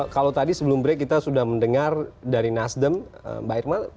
kalau tadi sebelum break kita sudah mendengar dari nasdem mbak irma